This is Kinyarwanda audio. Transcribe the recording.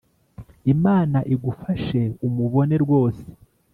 Imana igufashe umubone rwose